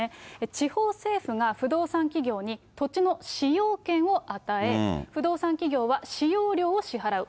地方政府が不動産企業に土地の使用権を与え、不動産企業は使用料を支払う。